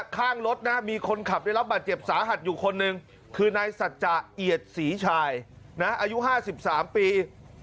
ข้างรถนะมีคนขับได้รับบาดเจ็บสาหัสอยู่คนหนึ่งคือนายสัจจะเอียดศรีชายอายุ๕๓ปี